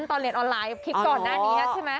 ตอนเรียนออนไลน์คลิปก่อนหน้านี้ใช่ไหม